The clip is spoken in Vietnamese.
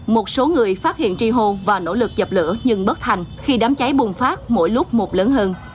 một số người phát hiện tri hô và nỗ lực dập lửa nhưng bất thành khi đám cháy bùng phát mỗi lúc một lớn hơn